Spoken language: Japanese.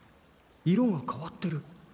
色が変わってる。